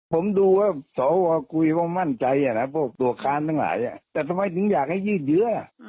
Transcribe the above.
ผมดูว่าสวคุยว่ามั่นใจพวกตัวค้านทั้งหลายแต่ทำไมถึงอยากให้ยืดเยื้อ